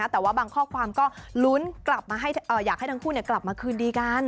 แต่ว่าบางข้อความก็ลุ้นอยากให้ทั้งคู่กลับมาคืนดีกัน